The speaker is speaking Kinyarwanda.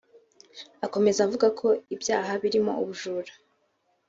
Akomeza avuga ko ibyaha birimo ubujura